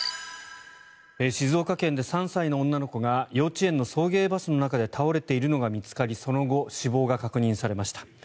静岡県で３歳の女の子が幼稚園の送迎バスの中で倒れているのが見つかりその後、死亡が確認されました。